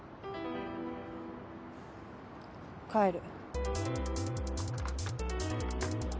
帰る。